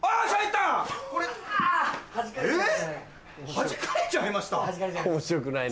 「弾かれちゃいました」？